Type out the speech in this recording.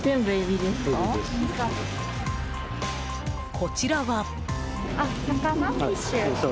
こちらは。